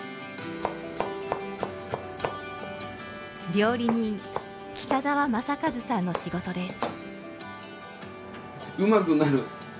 料理人北沢正和さんの仕事です。